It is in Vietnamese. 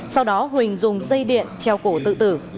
sau đó huỳnh dùng dây điện treo cổ tự tử